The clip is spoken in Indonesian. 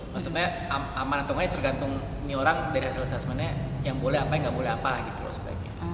maksudnya amanatungannya tergantung nih orang dari hasil assessmentnya yang boleh apa yang nggak boleh apa gitu loh sebaiknya